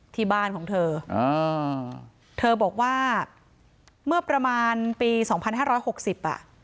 ที่บ้านของเธออ่าเธอบอกว่าเมื่อประมาณปีสองพันห้าร้อยหกสิบอ่ะ